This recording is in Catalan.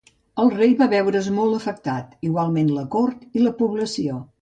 El rei va veure's molt afectat, igualment la cort i la població.